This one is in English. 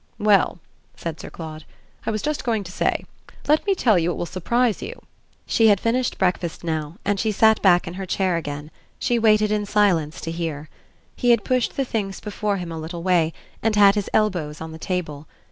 "Well," said Sir Claude, "I was just going to say. Let me tell you it will surprise you." She had finished breakfast now and she sat back in her chair again: she waited in silence to hear. He had pushed the things before him a little way and had his elbows on the table.